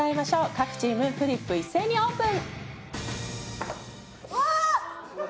各チームフリップ一斉にオープン！